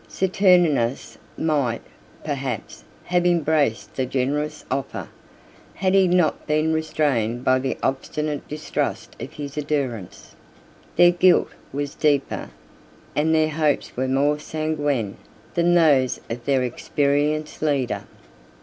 52 Saturninus might, perhaps, have embraced the generous offer, had he not been restrained by the obstinate distrust of his adherents. Their guilt was deeper, and their hopes more sanguine, than those of their experienced leader. 51 (return) [ Vopiscus in Hist. August.